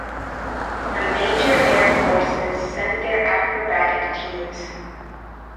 The major Air Forces sent their acrobatic teams.